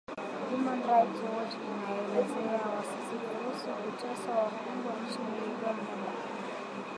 Human Rights Watch inaelezea wasiwasi kuhusu kuteswa wafungwa nchini Uganda